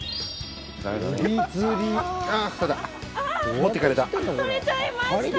持っていかれた。